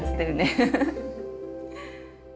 フフフッ。